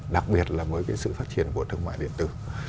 đặc biệt là với cái sự phát triển của thương mại điện tử